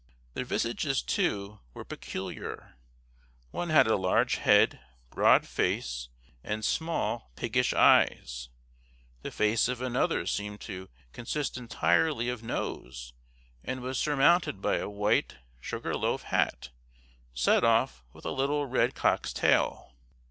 Their visages, too, were peculiar; one had a large head, broad face, and small piggish eyes; the face of another seemed to consist entirely of nose, and was surmounted by a white sugar loaf hat, set off with a little red cock's tail.